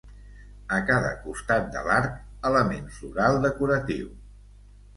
A cada costat de l'arc element floral decoratiu.